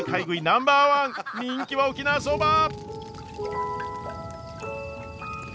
ナンバーワン人気は沖縄そば！